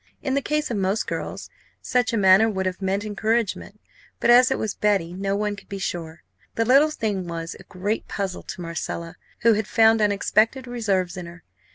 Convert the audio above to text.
In the case of most girls, such a manner would have meant encouragement; but, as it was Betty, no one could be sure. The little thing was a great puzzle to Marcella, who had found unexpected reserves in her.